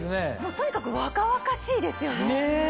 とにかく若々しいですよね。